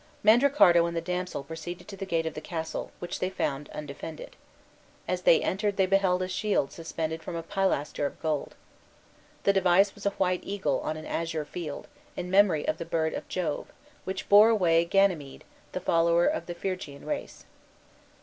Mandricardo and the damsel proceeded to the gate of the castle, which they found undefended. As they entered they beheld a shield suspended from a pilaster of gold. The device was a white eagle on an azure field, in memory of the bird of Jove, which bore away Ganymede, the flower of the Phrygian race.